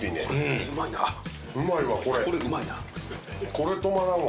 これ、止まらんわ。